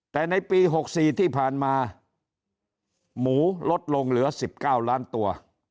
แต่ในปี๖๔ที่ผ่านมาหมูลดลงเหลือ๑๙ล้านตัว